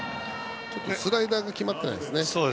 スライダーが決まってないですね。